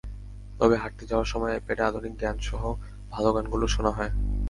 তবে হাঁটতে যাওয়ার সময় আইপ্যাডে আধুনিক গানসহ ভালো গানগুলো শোনা হয়।